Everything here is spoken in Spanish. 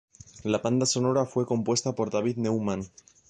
La banda sonora fue compuesta por David Newman.